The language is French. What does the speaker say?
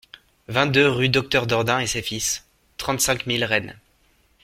vingt-deux rue Docteur Dordain et ses Fils, trente-cinq mille Rennes